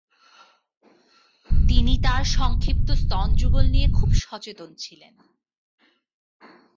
তিনি তার সংক্ষিপ্ত স্তনযুগল নিয়ে খুব সচেতন ছিলেন।